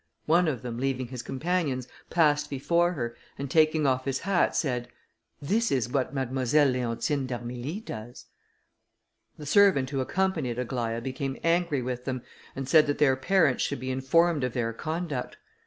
One of them, leaving his companions, passed before her, and taking off his hat, said, "This is what Mademoiselle Leontine d'Armilly does." The servant who accompanied Aglaïa, became angry with them, and said that their parents should be informed of their conduct.